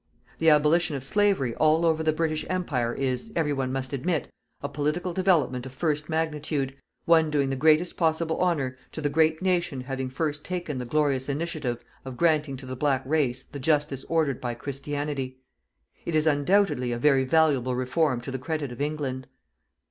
The abolition of slavery all over the British Empire is, every one must admit, a political development of first magnitude, one doing the greatest possible honour to the great nation having first taken the glorious initiative of granting to the black race the justice ordered by Christianity. It is undoubtedly a very valuable reform to the credit of England.